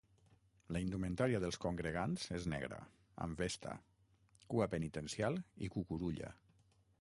La indumentària dels congregants és negra amb vesta, cua penitencial i cucurulla.